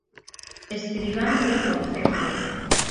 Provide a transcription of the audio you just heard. Escribano del concejo.